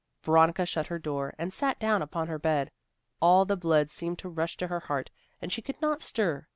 Veronica shut her door, and sat down upon her bed. All the blood seemed to rush to her heart and she could not stir.